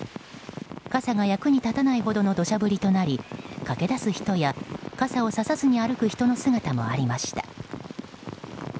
傘が役に立たないほどの土砂降りとなり駆け出す人や傘をささずに歩く人の姿がありました。